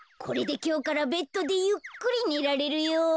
これできょうからベッドでゆっくりねられるよ。